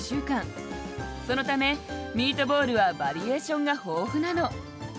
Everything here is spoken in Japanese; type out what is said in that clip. そのためミートボールはバリエーションが豊富なの。